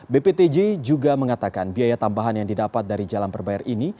bptj juga mengatakan biaya tambahan yang didapat dari jalan berbayar ini